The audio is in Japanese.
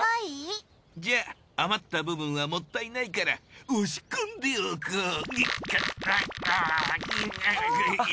じゃああまった部分はもったいないから押し込んでおこう。